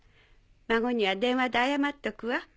孫には電話で謝っとくわ。